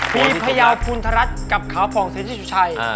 มีพญาวภูมิทารัสกับขาพรองเทรทิชุชัย